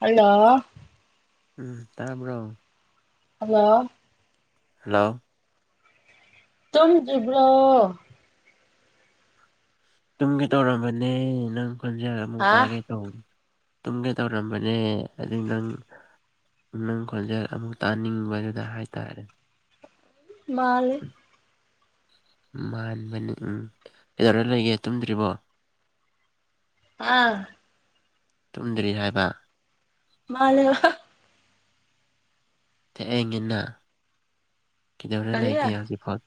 hello ꯎꯝ ꯇꯥꯕꯔꯣ hello hello ꯇꯨꯝꯗ꯭ꯔꯤꯕ꯭ꯔꯣ ꯇꯨꯝꯒꯦ ꯇꯧꯔꯕꯅꯦ ꯅꯪ ꯈꯣꯟꯖꯦꯜ ꯑꯃꯨꯛ ꯍꯥ ꯇꯥꯒꯦ ꯇꯧ ꯇꯨꯝꯒꯦ ꯇꯧꯔꯝꯕꯅꯦ ꯑꯗꯨ ꯅꯪ ꯅꯪ ꯈꯣꯟꯖꯦꯜ ꯑꯃꯨꯛ ꯇꯥꯅꯤꯡꯕꯗꯨꯗ ꯍꯥꯏꯇꯥꯔꯦ ꯃꯥꯜ ꯃꯥꯟꯕꯅꯤ ꯎꯝ ꯀꯩꯗꯧꯔꯒ ꯂꯩꯒꯦ ꯇꯨꯝꯗ꯭ꯔꯤꯕꯣ ꯑꯥ ꯇꯨꯝꯗ꯭ꯔꯤ ꯍꯥꯏꯕ ꯃꯥꯜꯂꯦ ꯊꯦꯡꯉꯤꯅ ꯀꯩꯗꯧꯔ ꯀꯔꯤ ꯂꯩꯒꯦ ꯍꯧꯖꯤꯛꯐꯥꯎ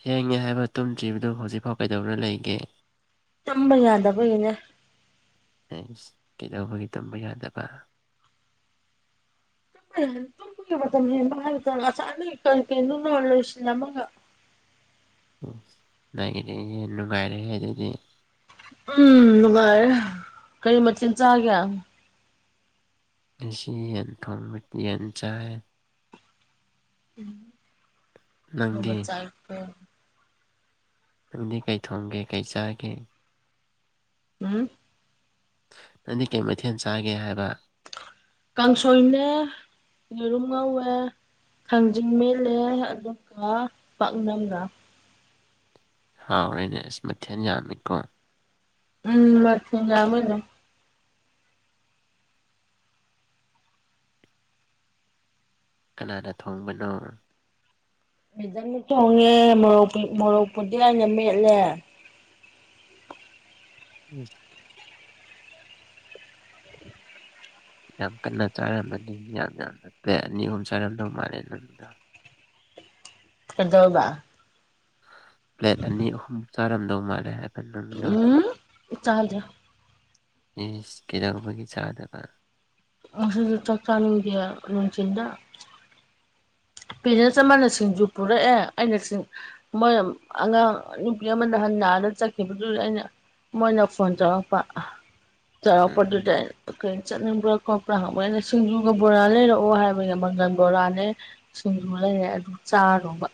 ꯊꯦꯡꯉꯦ ꯍꯥꯏꯕ ꯇꯨꯝꯗ꯭ꯔꯤꯕꯗꯨ ꯍꯧꯖꯤꯛꯐꯥꯎ ꯀꯩꯗꯧꯔ ꯂꯩꯒꯦ ꯇꯨꯝꯕ ꯌꯥꯗꯕꯒꯤꯅꯦ ꯑꯩꯁ ꯀꯩꯗꯧꯕꯒꯤ ꯇꯨꯝꯕ ꯌꯥꯗꯕ ꯑꯦ ꯇꯨꯝꯕꯒꯤ ꯃꯇꯝ ꯍꯦꯟꯕ ꯍꯥꯏꯕꯆꯥꯠꯂ ꯉꯥꯁꯥꯏꯗꯒꯤ ꯀꯩ ꯀꯩꯅꯣ ꯃꯥ ꯂꯣꯏꯁꯤꯜꯂꯝꯃꯒ ꯎꯝ ꯅꯒꯤꯗꯤ ꯅꯨꯡꯉꯥꯏꯔꯦꯍꯦ ꯑꯗꯨꯗꯤ ꯎꯝ ꯅꯨꯡꯉꯥꯏꯔꯦ ꯀꯔꯤ ꯃꯊꯦꯟ ꯆꯥꯒꯦ ꯉꯁꯤ ꯌꯦꯟꯊꯣꯡ ꯌꯦꯟ ꯆꯥꯏ ꯅꯪꯗꯤ ꯎꯝ [unintelligible] ꯆꯥꯔꯛꯄꯔꯣ ꯅꯪꯗꯤ ꯀꯩ ꯊꯣꯡꯒꯦ ꯀꯩ ꯆꯥꯒꯦ ꯎꯝ ꯅꯪꯗꯤ ꯀꯩ ꯃꯩꯊꯦꯟ ꯆꯥꯒꯦ ꯍꯥꯏꯕ ꯀꯥꯡꯁꯣꯏꯅꯦ ꯌꯦꯔꯨꯝ ꯉꯧꯋꯦ ꯊꯥꯡꯖꯤꯡ ꯃꯦꯠꯂꯦ ꯑꯗꯨꯒ ꯄꯥꯛꯅꯝꯒ ꯍꯥꯎꯔꯦꯅꯦ ꯑꯁ ꯃꯊꯦꯟ ꯌꯥꯝꯃꯤꯀꯣ ꯎꯝ ꯃꯊꯦꯟ ꯌꯥꯝꯃꯦꯅꯦ ꯀꯅꯥꯅ ꯊꯣꯡꯕꯅꯣ ꯃꯤꯖꯝꯅ ꯊꯣꯡꯉꯦ ꯃꯣꯔꯣꯛ ꯄꯤ ꯃꯣꯔꯣꯛꯄꯨꯗꯤ ꯑꯩꯅ ꯃꯦꯠꯂꯦ ꯎꯝ ꯌꯥꯝ ꯀꯟꯅ ꯆꯥꯔꯝꯃꯅꯤ ꯌꯥꯝ ꯌꯥꯝꯅ ꯄꯂꯦꯠ ꯑꯅꯤ ꯑꯍꯨꯝ ꯆꯥꯔꯝꯗꯧ ꯃꯥꯜꯂꯦ ꯊꯗꯕ ꯄ꯭ꯂꯦꯠ ꯑꯅꯤ ꯑꯍꯨꯝ ꯆꯥꯔꯝꯗꯧ ꯃꯥꯜꯂꯦ ꯍꯥꯏꯕ ꯅꯪꯅ ꯏ [unintelligible] ꯏꯁ ꯀꯩꯗꯧꯕꯒꯤ ꯆꯥꯗꯕ ꯍꯧꯖꯤꯛꯁꯨ ꯆꯥꯛ ꯆꯅꯤꯡꯗꯦ ꯅꯨꯡꯊꯤꯟꯗ ꯄꯦꯔꯦꯟꯁ ꯑꯃꯅ ꯁꯤꯡꯖꯨ ꯄꯨꯔꯛꯑꯦ ꯑꯩꯅ ꯁꯤꯡ ꯃꯣꯏ ꯑꯉꯥꯡ ꯅꯨꯄꯤ ꯑꯃ ꯅꯥꯍꯟ ꯅꯥꯔ ꯆꯠꯈꯤꯕꯗꯨꯗ ꯑꯩꯅ ꯃꯣꯏꯅ ꯐꯣꯟ ꯇꯔꯛꯄ [unintelligible] ꯎꯝ ꯄꯗꯨꯗ ꯆꯠꯅꯤꯡꯕ꯭ꯔꯥ ꯈꯣꯠꯄ꯭ꯔꯥ ꯍꯪꯕ ꯑꯩꯅ ꯁꯤꯡꯖꯨꯒ ꯕꯣꯔꯥ ꯂꯩꯔꯛꯑꯣ ꯍꯥꯏꯕꯒꯤ ꯃꯪꯒꯟ ꯕꯣꯔꯥꯅꯦ ꯁꯤꯡꯖꯨ ꯂꯩꯔꯛꯄ ꯑꯗꯨ ꯆꯥꯔꯨꯕ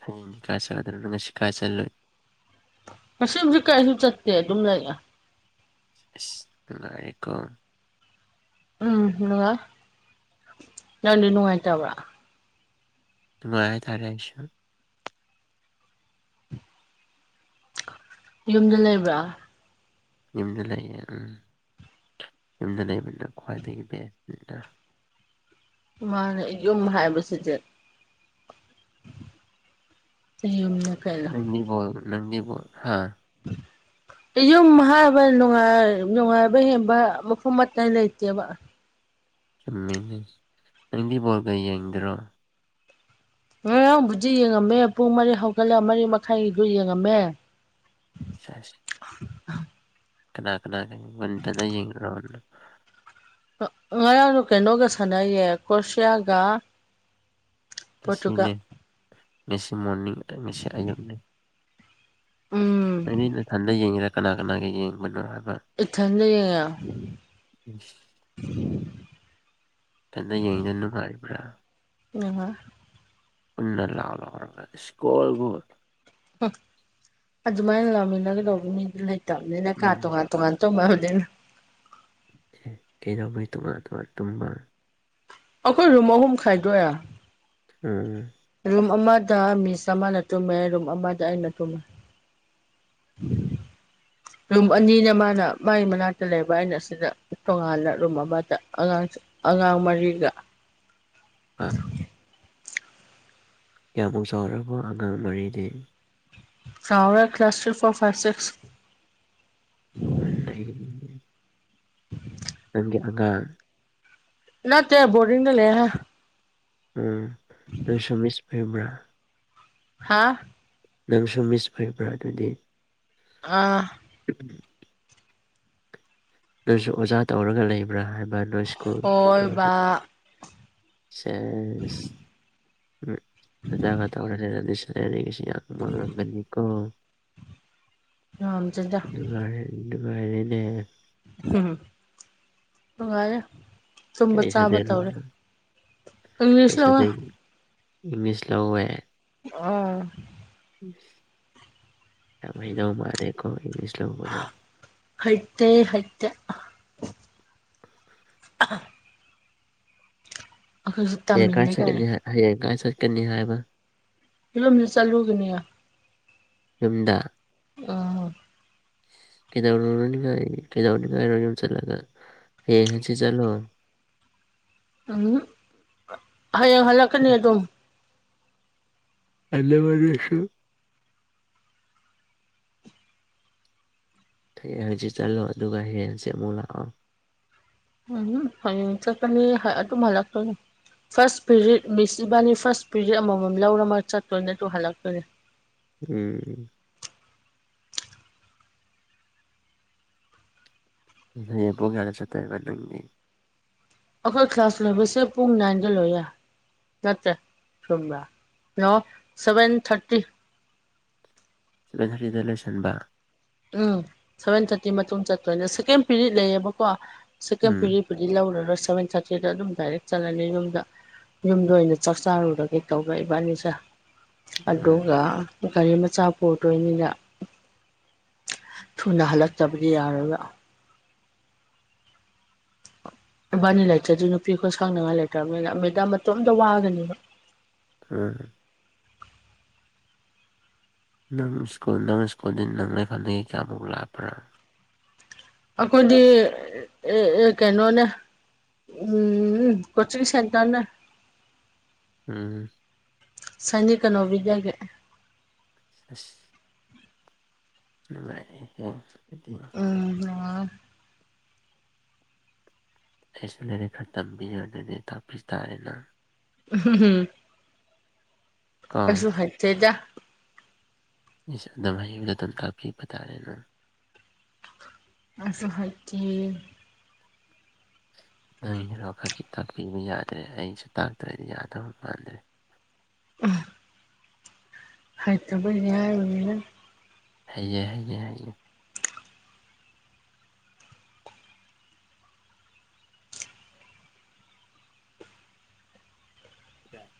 ꯐꯣꯟ ꯀꯥꯏ [unintelligible] ꯉꯁꯤ ꯀꯥꯏ ꯆꯠꯂꯨꯏ ꯉꯁꯤꯖꯨꯗꯤ ꯀꯩꯁꯨ ꯆꯠꯇꯦ ꯑꯗꯨꯝ ꯂꯩ ꯑꯁ ꯅꯨꯡꯉꯥꯏꯔꯦꯀꯣ ꯎꯝ ꯅꯨꯡꯉꯥꯏ ꯅꯪꯗꯤ ꯅꯨꯡꯉꯥꯏꯇꯕ꯭ꯔꯥ ꯅꯨꯡꯉꯥꯏ ꯍꯥꯏꯇꯔꯦ ꯑꯩꯁꯨ ꯌꯨꯝꯗ ꯂꯩꯕ꯭ꯔꯥ ꯌꯨꯝꯗ ꯂꯩꯌꯦ ꯎꯝ ꯌꯨꯝꯗ ꯂꯩꯕꯅ ꯈ꯭ꯋꯥꯏꯗꯒꯤ ꯕꯦꯁꯅꯤꯅ ꯃꯥꯅꯦ ꯌꯨꯝ ꯍꯥꯏꯕꯁꯤꯗꯤ [unintelligible] ꯅꯪꯒꯤ ꯒꯣꯜ ꯅꯪꯒꯤ ꯒꯣꯜ ꯍꯥ [inaudible] ꯌꯨꯝ ꯍꯥꯏꯕꯅꯨꯡꯥꯏ ꯅꯨꯡꯉꯥꯏꯕ ꯍꯦꯟꯕ ꯃꯐꯝ ꯑꯇꯥꯏ ꯂꯩꯇꯦꯕ ꯆꯨꯝꯃꯤꯅꯦ ꯅꯪꯗꯤ ꯕꯣꯜꯒ ꯌꯦꯡꯗꯔꯣ ꯉꯔꯥꯡ ꯕꯨꯗꯤ ꯌꯦꯡꯉꯝꯃꯦ ꯄꯨꯡ ꯃꯔꯤ ꯍꯧꯒꯠꯂꯒ ꯃꯔꯤ ꯃꯈꯥꯏꯒꯤꯗꯨ ꯌꯦꯡꯉꯝꯃꯦ ꯁꯦꯁ ꯀꯅꯥ ꯀꯅꯥꯗꯅ [unintelligible] [inaudible] ꯉꯔꯥꯡꯗꯣ ꯀꯩꯅꯣꯒ ꯁꯥꯟꯅꯩꯌꯦ ꯀ꯭ꯔꯣꯁꯤꯌꯥꯒ ꯄꯣꯔꯇꯨꯒꯜ ꯉꯦꯁꯤꯅꯦ ꯉꯁꯤ ꯃꯣꯔꯅꯤꯡ ꯉꯁꯤ ꯑꯌꯨꯨꯛꯅꯦ ꯎꯝ ꯅꯪꯗꯤ ꯅꯊꯟꯗ ꯌꯦꯡꯉꯤꯔ ꯀꯅꯥ ꯀꯅꯥꯒꯤ ꯌꯦꯡꯕꯅꯣ ꯍꯥꯏꯕ ꯏꯊꯟꯗ ꯌꯦꯡꯉꯦ ꯏꯁ ꯏꯊꯟꯗ ꯌꯦꯡꯉꯦ ꯅꯨꯡꯉꯥꯏꯕ꯭ꯔꯥ ꯅꯨꯡꯉꯥꯏ ꯎꯟꯅ ꯂꯥꯎ ꯂꯥꯎ ꯍꯥꯏꯕꯔ ꯏꯁꯀꯣꯜ ꯒꯜ ꯍꯪ ꯑꯗꯨꯃꯥꯏꯅ ꯂꯧꯃꯤꯟꯅꯒꯗꯧꯕ ꯃꯤꯗꯨ ꯂꯩꯇꯕꯅꯤꯅ ꯀꯥ ꯎꯝ ꯇꯣꯉꯥꯟ ꯇꯣꯉꯥꯟ [unintelligible] ꯀꯩꯗꯧꯕꯩ ꯇꯣꯉꯥꯟ ꯇꯣꯉꯥꯟ ꯇꯨꯝꯕ ꯑꯩꯈꯣꯏ ꯔꯨꯝ ꯑꯍꯨꯝ ꯈꯥꯏꯗꯣꯛꯑꯦ ꯎꯝ ꯔꯨꯝ ꯑꯃꯗ ꯃꯤꯁ ꯑꯃꯅ ꯇꯨꯝꯃꯦ ꯔꯨꯝ ꯑꯃꯗ ꯑꯩꯅ ꯇꯨꯝꯃꯦ ꯎꯝ ꯔꯨꯝ ꯑꯅꯤꯅ ꯃꯥꯅ ꯃꯥꯒꯤ ꯃꯅꯥꯛꯇ ꯂꯩꯕ ꯑꯩꯅ ꯑꯁꯤꯗ ꯇꯣꯉꯥꯟꯅ ꯔꯨꯝ ꯑꯃꯗ ꯑꯉꯥꯡ ꯑꯉꯥꯡ ꯃꯔꯤꯒ ꯑꯥ ꯀꯌꯥꯃꯨꯛ ꯆꯥꯎꯔꯕ ꯑꯉꯥꯡ ꯃꯔꯤꯗꯤ ꯆꯥꯎꯔꯦ class three four five six [unintelligible] ꯅꯪꯒꯤ ꯑꯉꯥꯡ ꯅꯠꯇꯦ ꯕꯣꯔꯗꯤꯡꯅ ꯂꯩ ꯍꯦ ꯎꯝ ꯅꯪꯁꯨ ꯃꯤꯁ ꯐꯦꯝꯔꯥ ꯍꯥ ꯅꯪꯁꯨ ꯃꯤꯁ ꯐꯦꯕ꯭ꯔꯥ ꯑꯗꯨꯗꯤ ꯑꯥ [unintelligible] ꯅꯣꯏꯁꯨ ꯑꯣꯖꯥ ꯇꯧꯔꯒ ꯂꯩꯕ꯭ꯔꯥ ꯍꯥꯏꯕ ꯅꯣꯏ ꯁ꯭ꯀꯨꯜ ꯍꯣꯏ ꯅꯪ ꯕꯥ ꯍꯧꯖꯤꯛ ꯁꯦꯁ ꯑꯣꯖꯥ ꯉꯥꯇꯥ ꯑꯣꯏꯔꯥ ꯂꯩꯔꯝꯅꯤ [unintelligible] ꯌꯥꯝ ꯃꯥꯡꯉꯒꯅꯤꯀꯣ ꯉꯝꯗꯦꯗ ꯅꯨꯡꯉꯥꯏꯔꯦ ꯅꯨꯡꯉꯥꯏꯔꯦꯅꯦ ꯍꯨꯝ ꯍꯨꯝ ꯅꯨꯡꯉꯥꯏꯔꯦ ꯇꯨꯝꯕ ꯀꯩ ꯆꯥꯕ ꯁꯕꯖꯦꯛ ꯇꯧꯔꯦ ꯂꯧꯕ ꯏꯪꯂꯤꯁ ꯀꯩ ꯂꯧꯋꯦ ꯁꯕꯖꯦꯛ ꯏꯪꯂꯤꯁ ꯂꯧꯋꯦ ꯑꯥꯎ ꯌꯥꯝ ꯍꯩꯗꯧ ꯃꯥꯜꯂꯦꯀꯣ ꯏꯪꯂꯤꯁ ꯂꯧꯕꯗꯣ ꯍꯩꯇꯦ ꯍꯩꯇꯦ ꯑꯥ [inaudible] [inaudible] ꯑꯩꯈꯣꯏꯁꯨ ꯍꯌꯦꯡ ꯀꯥꯏ ꯇꯝꯃꯤꯅꯦ ꯀꯩꯅꯣ ꯆꯠꯀꯅꯤ ꯍꯥꯏ ꯍꯌꯦꯡ ꯀꯥꯏ ꯆꯠꯀꯅꯤ ꯍꯥꯏꯕ ꯐꯤꯜꯂꯣꯝꯖꯨ ꯆꯠꯂꯨꯒꯅꯤ ꯌꯨꯝꯗ ꯑꯥ ꯍꯣꯏ ꯀꯩꯗꯧꯔꯨꯔꯅꯤꯉꯥꯏ ꯀꯩꯗꯧꯅꯤꯡꯉꯥꯏꯔꯣ ꯌꯨꯝ ꯆꯠꯂꯒ ꯍꯌꯦꯡ ꯍꯥꯡꯆꯤꯠ ꯆꯠꯂꯣ [unintelligible] ꯍꯌꯦꯡ ꯍꯜꯂꯛꯀꯅꯤ ꯑꯗꯨꯝ [unintelligible] ꯍꯌꯦꯡ ꯍꯥꯡꯆꯤꯠ ꯆꯠꯂꯣ ꯑꯗꯨꯒ ꯍꯌꯦꯡ ꯍꯥꯡꯆꯤꯠ ꯑꯃꯨꯛ ꯂꯥꯛꯑꯣ ꯍꯨꯝ ꯍꯨꯝ ꯍꯌꯦꯡ ꯆꯠꯀꯅꯤ ꯍꯥꯏ ꯑꯗꯨꯝ ꯍꯜꯂꯛꯇꯣꯏꯅꯤ ꯐꯥꯔꯁ ꯄꯦꯔꯤꯠ ꯃꯤꯁ ꯏꯕꯥꯅꯤ ꯐꯥꯔꯁ ꯄꯦꯔꯤꯠ ꯑꯃꯃꯝ ꯂꯧꯔꯃ ꯆꯠꯇꯣꯏꯅꯦ ꯑꯗꯨ ꯍꯜꯂꯛꯇꯣꯏꯅꯤ ꯎꯝ ꯎꯝ ꯍꯌꯦꯡ ꯄꯨꯡ ꯀꯌꯥꯗ ꯆꯠꯇꯣꯏꯕ ꯅꯪꯗꯤ ꯑꯈꯣꯏ ꯀ꯭ꯂꯥꯁ ꯂꯣꯏꯕꯁꯦ ꯄꯨꯡ ꯅꯥꯏꯟꯗ ꯂꯣꯏꯌꯦ ꯅꯠꯇꯦ ꯆꯨꯝꯕ꯭ꯔꯥ ꯅꯣ ꯁꯕꯦꯟ ꯊꯥꯔꯇꯤ ꯁꯚꯦꯟ ꯊꯥꯔꯇꯤꯗ ꯂꯣꯏꯁꯟꯕ ꯎꯝ ꯁꯚꯦꯟ ꯊꯥꯔꯇꯤ ꯃꯇꯨꯡ ꯆꯠꯇꯣꯏꯅꯦ ꯁꯦꯀꯦꯟ ꯄꯦꯔꯤꯠ ꯂꯩꯌꯦꯕꯀꯣ ꯁꯦꯀꯦꯟ ꯎꯝ ꯄꯦꯔꯤꯠ ꯄꯨꯗꯤ ꯂꯧꯔꯔꯣꯏ ꯁꯚꯦꯟ ꯊꯥꯔꯇꯤꯗ ꯑꯗꯨꯝ ꯗꯥꯏꯔꯦꯛ ꯆꯠꯂꯅꯤ ꯌꯨꯝꯗ ꯌꯨꯝꯗ ꯑꯣꯏꯅ ꯆꯥꯛ ꯆꯥꯔꯨꯔꯒꯦ ꯇꯧꯕꯥ ꯏꯕꯥꯅꯤꯁꯦ ꯎꯝ ꯑꯗꯨꯒ ꯒꯥꯔꯤ ꯃꯆꯥ ꯄꯨꯗꯣꯏꯅꯤꯅ ꯊꯨꯅ ꯍꯜꯂꯛꯇꯕꯗꯤ ꯌꯥꯔꯣꯏꯕ ꯏꯕꯥꯅꯤ ꯂꯩꯇ꯭ꯔꯗꯤ ꯅꯨꯄꯤ ꯈꯣꯏ ꯁꯪꯅꯉꯥꯏ ꯂꯩꯇ꯭ꯔꯕꯅꯤꯅ ꯃꯦꯗꯥꯝ ꯃꯇꯣꯝꯇ ꯋꯥꯒꯅꯤꯕ ꯎꯝ ꯅꯪ ꯏꯁ꯭ꯀꯨꯜ ꯅꯪ ꯁ꯭ꯀꯨꯜꯗ ꯅꯪ ꯂꯩꯈꯗꯗꯒꯤ [unintelligible] ꯑꯦꯛꯖꯥꯝꯃꯨꯛ ꯂꯥꯛꯄ꯭ꯔꯥ ꯑꯩꯈꯣꯏꯗꯤ ꯑꯦ ꯀꯩꯅꯣꯅꯦ ꯎꯝ ꯀꫭꯆꯤꯡ ꯁꯦꯟꯇꯔꯅ‌ꯦ ꯎꯝ ꯁꯅꯤꯀꯅꯣꯕꯤꯗꯦ [unintelligible] ꯑꯁ [unintelligible] [inaudible] ꯎꯝ [unintelligible] ꯑꯩꯁ ꯂꯥꯏꯔꯛ ꯈꯔ ꯇꯝꯕꯤꯔꯅꯅꯦ ꯇꯥꯛꯄꯤ ꯇꯥꯔꯦꯅ ꯎꯝ ꯍꯝ‌ꯍꯝ ꯀꯣ ꯑꯩꯁꯨ ꯍꯩꯏꯇꯦꯗꯥ ꯏꯁ ꯅꯪ ꯑꯍꯩꯕꯗꯨ ꯑꯗꯨꯝ ꯇꯥꯛꯄꯤꯕ ꯇꯥꯔꯦ ꯅꯪ ꯑꯩꯁꯨ ꯍꯩꯇ‌ꯦ ꯅꯣꯏꯔꯈꯛꯀꯤ [unintelligible] ꯇꯥꯛꯄꯤꯕ ꯌꯥꯗ꯭ꯔꯦ ꯑꯩꯅꯁꯨ ꯇꯥꯛꯇ꯭ꯔꯗꯤ ꯌꯥꯗꯕ ꯃꯥꯟꯗ꯭ꯔꯦ ꯎꯝ ꯍꯩꯇꯕꯒꯤ ꯍꯥꯏꯕꯅꯤꯗ ꯍꯩꯌ‌ꯦ ꯍꯩꯌꯦ ꯍꯩꯌꯦ ꯑ [unintelligible]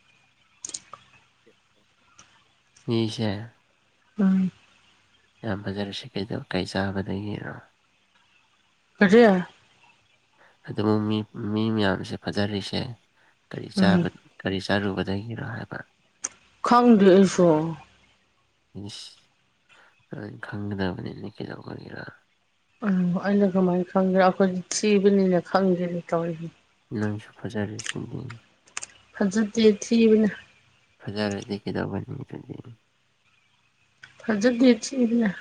ꯃꯤꯁꯦ ꯎꯝ ꯌꯥꯝ ꯐꯖꯔꯁꯤ ꯀꯩꯗꯣ ꯀꯩ ꯆꯥꯕꯗꯒꯤꯔꫭ ꯀꯔꯤ ꯑꯗꯨꯕꯨ ꯃꯤ ꯃꯤ ꯃꯌꯥꯝꯁꯦ ꯐꯊꯔꯤꯁꯦ ꯀꯔꯤ ꯎꯝ ꯆꯥꯕ ꯀꯔꯤ ꯆꯥꯔꯨꯕꯗꯗꯒꯤꯅꯣ ꯍꯥꯏꯕ ꯈꯪꯗꯦ ꯑꯩꯁꯨ ꯏꯁ ꯈꯪꯒꯗꯕꯅꯤꯅ ꯀꯩꯗꯧꯕꯒꯤꯔꯥ ꯎꯝ ꯑꯩꯅ ꯀꯃꯥꯏꯅ ꯈꯪꯒꯦꯔꯥ ꯑꯩꯈꯣꯏꯗꯤ ꯊꯤꯕꯅꯤꯅ ꯈꯪꯗꯦꯅꯦ ꯇꯧꯔꯤꯁꯦ ꯅꯪꯁꯨ ꯐꯖꯥꯔꯤꯁꯤꯗꯤ ꯐꯖꯗ‌ꯦ ꯊꯤꯕꯅ‌ ꯐꯖꯔꯗꯤ ꯀꯩꯗꯧꯒꯅꯤ ꯑꯗꯨꯗꯤ ꯐꯖꯗ‌ꯦ ꯊꯤꯕꯅ‌ꯦ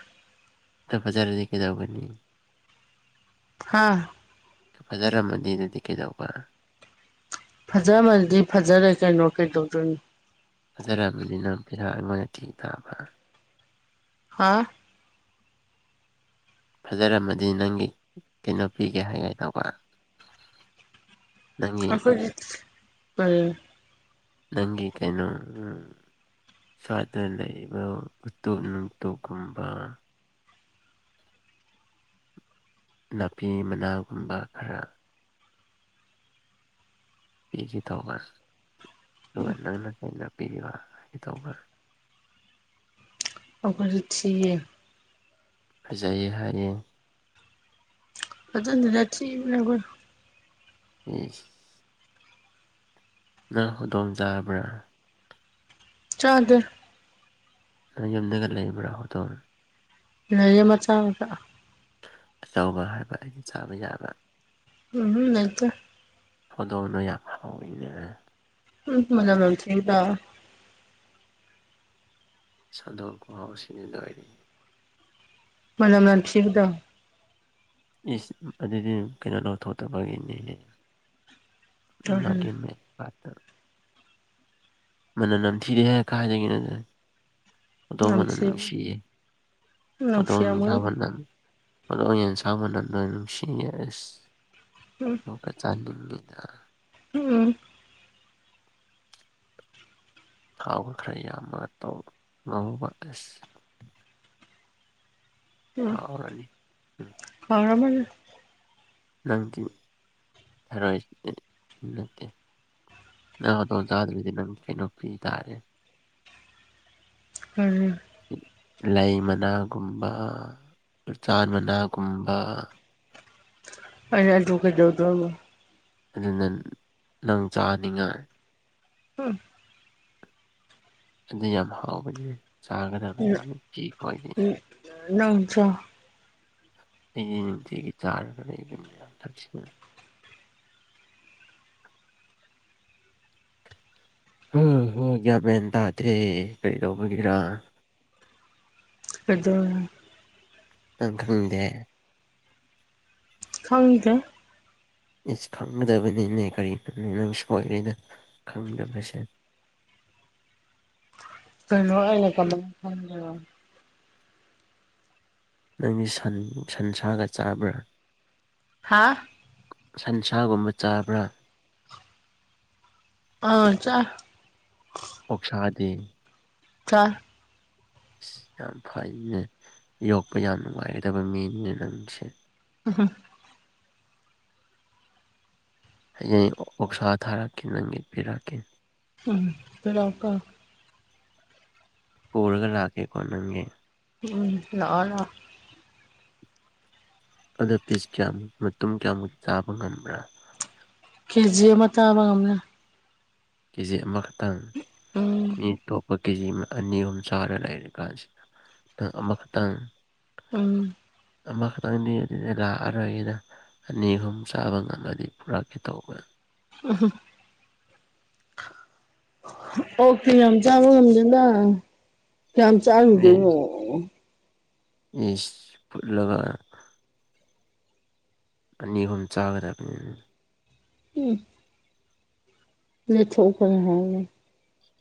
ꯅꯪ ꯐꯖꯔꯗꯤ ꯀꯩꯗꯧꯒꯅꯤ ꯍꯥꯥ ꯐꯖꯔꯝꯃꯗꯤ ꯑꯗꯨꯗꯤ ꯀꯩꯗꯧꯕ ꯐꯖꯔꯝꯃꯗꯤ ꯐꯖꯔꯦ ꯀꯩꯅꯣ ꯀꯩꯗꯧꯗꯣꯏꯅꫭ ꯐꯖꯔꯝꯃꯗꯤ ꯅꯪ ꯄꯤꯊꯥꯛ [unintelligible] ꯑꯩꯉꯣꯟꯗꯊꯤ ꯊꯥꯕ ꯍꯥ ꯐꯖꯔꯝꯃꯗꯤ ꯅꯪꯒꯤ ꯀꯩꯅꯣ ꯄꯤꯒꯦ ꯍꯥꯏꯒ‌ꯦ ꯇꯧꯀꯣ ꯑꯩꯈꯣꯏꯒꯤ ꯀꯩ ꯅꯪꯒꯤ ꯀꯩꯅꯣ ꯎꯝ ꯁꯋꯥꯗ ꯂꯩꯔꯤꯕ ꯎꯇꯨꯞ ꯅꯨꯡꯇꯨꯞ ꯀꯨꯝꯕ ꯅꯥꯄꯤ ꯃꯅꯥꯒꯨꯝꯕ ꯈꯔ ꯄꯤꯒꯦ ꯇꯧꯕ ꯑꯗꯨꯒ ꯅꯪꯅ ꯀꯩꯅꫭ ꯄꯤꯔꯤꯕ [unintelligible] ꯍꯥꯏ ꯇꯧꯕ ꯑꯣꯈꯁꯨ ꯊꯤꯌ‌ꯦ ꯐꯖꯩ ꯍꯥꯏꯌꯦ ꯑꯗꯨꯅ ꯅꯊꯤ [inaudible] ꯏꯁ ꯅꯪ ꯍꯧꯗꯣꯡ ꯆꯥꯕ꯭ꯔꯥ ꯆꯥꯗꯦ ꯅꯪ ꯌꯨꯝꯗꯒ ꯂꯩꯕ꯭ꯔꯥ ꯍꯧꯗꯣꯡ ꯂꯩꯌꯦ ꯃꯆꯥ ꯃꯆꯥ ꯑꯆꯧꯕ ꯍꯥꯏꯕꯅꯦ ꯆꯥꯕ ꯌꯥꯕ ꯎꯝ ꯍꯝ ꯂꯩꯇꯦ ꯍꯧꯗꯣꯡꯗꯣ ꯌꯥꯝ ꯍꯥꯎꯏꯅꯦ ꯎꯝ ꯃꯅꯝ ꯅꯝꯊꯤꯕꯗꯣ ꯏꯁ ꯍꯟꯗꯣꯡ ꯈꯨꯍꯥꯎꯁꯤꯗꯤ ꯂꯣꯏꯔꯦꯍꯦ ꯃꯅꯝ ꯅꯝꯊꯤꯕꯗꯣ ꯏꯁ ꯑꯗꯨꯗꯤ ꯀꯩꯅꯣ ꯂꯧꯊꯣꯛꯇꯕꯒꯤꯅꯤꯅꯦ ꯃꯥꯒꯤ ꯃꯤꯠ [unintelligible] ꯃꯅꯝ ꯅꯝꯊꯤꯖꯦ ꯀꯥꯏꯗꯒꯤꯅꯣ ꯑꯗꯨꯅ ꯍꯧꯗꯣꯡ ꯃꯅꯝ ꯅꯝꯊꯤ ꯅꯨꯡꯁꯤꯌꯦ ꯍꯧꯗꯣꯡ ꯅꯨꯡꯁꯤꯔꯝꯒꯅꯤ ꯏꯟꯁꯥꯡ ꯃꯅꯝ ꯍꯧꯗꯣꯡ ꯌꯦꯟꯁꯥꯡ ꯃꯅꯝ ꯂꯣꯏ ꯅꯨꯡꯁꯤꯌꯦ ꯑꯁ ꯎꯝ ꯑꯃꯨꯛꯀ ꯆꯥꯅꯤꯡꯉꯤꯗ ꯎꯝ ꯊꯥꯎ ꯈꯔ ꯌꯥꯝꯃꯒ ꯇꯧꯕ ꯉꯧꯕ ꯑꯁ ꯎꯝ ꯍꯥꯎꯔꯅꯤ ꯍꯥꯎꯔꯝꯃꯅꯤ ꯅꯪꯒꯤ ꯊꯔꯣꯏꯁꯤꯗꯤ ꯅꯠꯇꯦ ꯅꯪ ꯍꯧꯗꯣꯡ ꯆꯥꯗꯔꯗꯤ ꯅꯪ ꯀꯩꯅꯣꯝꯄꯤꯇꯥꯔꯦ ꯀꯔꯤ ꯂꯩ ꯃꯅꯥꯒꯨꯝꯕ ꯎꯆꯥꯟ ꯃꯅꯥꯒꯨꯝꯕ ꯍꯣꯏꯅꯦ ꯑꯗꯨ ꯀꯩꯗꯧꯗꯣꯏꯕ ꯑꯗꯨꯅ ꯅꯪ ꯆꯥꯅꯤꯡꯉꯥꯏ ꯍꯝ ꯑꯗꯨ ꯌꯥꯝ ꯍꯥꯎꯕꯅꯦ ꯎꯝ ꯆꯥꯒꯗꯕꯅꯤ ꯅꯨꯄꯤꯈꯣꯏꯗꯤ ꯅꯪꯁꯨ ꯑꯩꯗꯤ ꯅꯨꯡꯇꯤꯒꯤ ꯆꯥꯔ ꯂꯩꯅꯤꯅ ꯊꯛ ꯍꯝ ꯍꯣꯏ ꯒ꯭ꯌꯥꯃꯦꯟ ꯇꯥꯗ꯭ꯔꯦ ꯀꯩꯗꯧꯕꯒꯤꯔꯥ ꯑꯗꯨꯅꯤ ꯅꯪ ꯈꯪꯗꯦ ꯈꯪꯗꯦ ꯏꯁ ꯈꯪꯒꯗꯕꯅꯤꯅꯦ ꯀꯔꯤꯅꯣꯅꯦ ꯅꯪ ꯁꯣꯏꯔꯦꯗ ꯈꯪꯗꯕꯁꯦ ꯀꯩꯅꯣ ꯑꯩꯅ ꯀꯃꯥꯏꯅ ꯈꯪꯗꯣꯏꯕ ꯅꯪꯗꯤ ꯁꯟ ꯁꯟꯁꯥꯒ ꯆꯥꯕ꯭ꯔꯥ ꯍꯥꯥ ꯁꯟꯁꯥꯒꯨꯝꯕ ꯆꯥꯕ꯭ꯔꯥ ꯑꯥ ꯆꯥꯏ ꯑꯣꯛꯁꯥꯗꯤ ꯆꯥꯏ ꯑꯁ ꯌꯥꯝ ꯐꯩꯅꯦ ꯌꯣꯛꯄ ꯌꯥꯝ ꯅꯨꯡꯉꯥꯏꯒꯗꯕ ꯃꯤꯅꯦ ꯅꯪꯁꯦ [inaudible] ꯍꯌꯦꯡ ꯑꯣꯛꯁꯥ ꯊꯥꯔꯛꯀꯦ ꯅꯪꯒꯤ ꯄꯤꯔꯛꯀꯦ ꯎꯝ ꯄꯤꯔꯛꯑꯣꯀꯣ ꯄꯨꯔꯒ ꯂꯥꯛꯀꯦꯀꯣ ꯅꯪꯒꯤ ꯎꯝ ꯂꯛꯑꯣ ꯂꯛꯑꯣ ꯑꯗꯣ ꯄꯤꯁ ꯀꯌꯥꯃꯨꯛ ꯃꯇꯨꯡ ꯀꯌꯥꯃꯨꯛ ꯆꯥꯕ ꯉꯕ꯭ꯔꯥ ꯀꯦ ꯖꯤ ꯑꯃ ꯆꯥꯕ ꯉꯝꯅꯤ ꯀꯦ ꯖꯤ ꯑꯃꯈꯛꯇꯪ ꯎꯝ ꯃꯤ ꯇꯣꯞ ꯀꯦꯖꯤ ꯑꯅꯤ ꯑꯍꯨꯝ ꯆꯥꯔ ꯂꯩꯔꯤ ꯀꯥꯟꯁꯤꯗꯪ ꯅꯪ ꯑꯃꯈꯛꯇꯪ ꯎꯝ ꯑꯃꯈꯛꯇꯪꯗꯤ ꯂꯥꯛꯑꯔꯣꯏꯒꯦꯗ ꯑꯅꯤ ꯑꯍꯨꯝ ꯆꯥꯕ ꯉꯝꯃꯗꯤ ꯄꯨꯔꯛꯀꯦ ꯇꯧꯕ [unintelligible] ꯑꯣꯛꯇꯥ ꯌꯥꯝ ꯆꯥꯕ ꯉꯝꯗꯦꯅ ꯀꯌꯥꯝ ꯏꯁ ꯆꯥꯔꯨꯗꯣꯏꯅꯣ ꯏꯁ ꯐꯨꯠꯂꯒ ꯑꯅꯤ ꯑꯍꯨꯝ ꯆꯥꯒꯗꯕꯅꯤꯅ ꯍꯨꯝ ꯂꯦꯛꯊꯣꯛꯄꯅ ꯍꯥꯟꯅꯤ